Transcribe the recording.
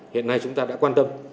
hiện nay chúng ta đã quan tâm